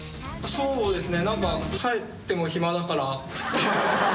そうですよね。